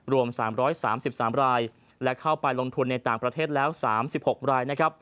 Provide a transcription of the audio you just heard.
รวม๓๓รายและเข้าไปลงทุนในต่างประเทศแล้ว๓๖ราย